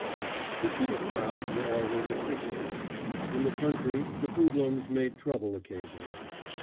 The city crowds were always appreciative. In the country the hoodlums made trouble occasionally.